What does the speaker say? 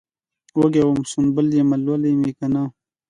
وږم یم ، سنبل یمه لولی مې کنه